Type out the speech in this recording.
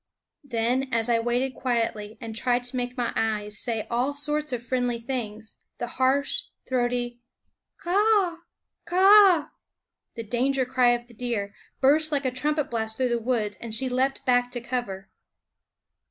Then, as I waited quietly and tried to make my eyes say all sorts of friendly things, the harsh, throaty K a a a h! k a a a h! the danger cry of the deer, burst like a trumpet blast through the woods, and she leaped back to cover.